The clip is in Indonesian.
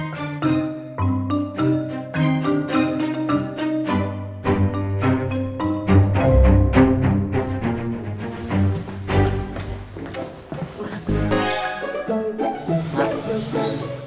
sampai jumpa di video selanjutnya